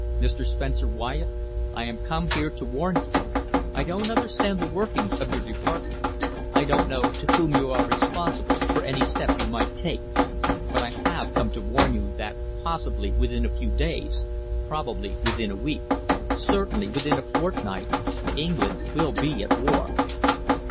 Mr. Spencer Wyatt, I have come here to warn you. I don't understand the workings of your department. I don't know to whom you are responsible for any step you might take. But I have come to warn you that possibly within a few days, probably within a week, certainly within a fortnight, England will be at war."